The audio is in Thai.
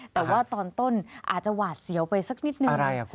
แต่ว่าตอนต้นอาจจะหวาดเสียวไปสักนิดนึง